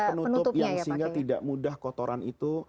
penutup yang sehingga tidak mudah kotoran itu